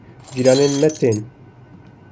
cîranê me tên